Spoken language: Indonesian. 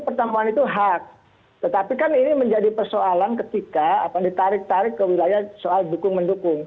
pertemuan itu hak tetapi kan ini menjadi persoalan ketika ditarik tarik ke wilayah soal dukung mendukung